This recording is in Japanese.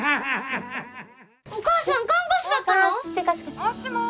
お母さん看護師だったの？